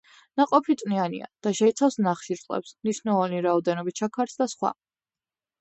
ნაყოფი წვნიანია და შეიცავს ნახშირწყლებს, მნიშვნელოვანი რაოდენობით შაქარს და სხვა.